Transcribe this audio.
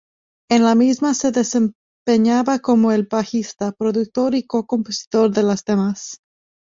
En la misma se desempeñaba como el bajista, productor y co-compositor de los temas.